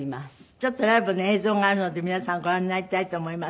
ちょっとライブの映像があるので皆さんご覧になりたいと思います。